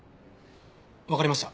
わかりました。